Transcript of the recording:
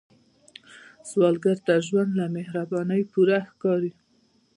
سوالګر ته ژوند له مهربانۍ پوره ښکاري